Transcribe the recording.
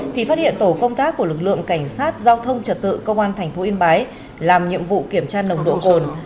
thì phát hiện tổ công tác của lực lượng cảnh sát giao thông trật tự công an tp yên bái làm nhiệm vụ kiểm tra nồng độ cồn